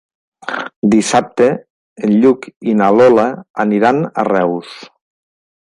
Dissabte en Lluc i na Lola aniran a Reus.